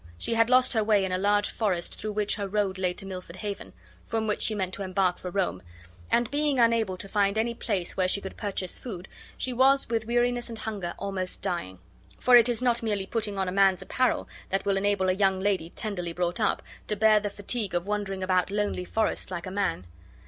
She had lost her way in a large forest through which .her road lay to Milford Haven (from which she meant to embark for Rome); and being unable to find any place where she could purchase food, she was, with weariness and hunger, almost dying; for it is not merely putting on a man's apparel that will enable a young lady, tenderly brought up, to bear the fatigue of wandering about lonely forests like a man..